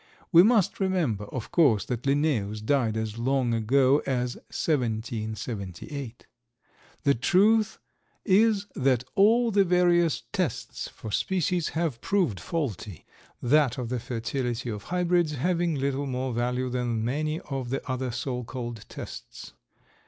We must remember, of course, that Linnaeus died as long ago as 1778. The truth is that all the various tests for species have proved faulty, that of the fertility of hybrids having little more value than many of the other so called "tests."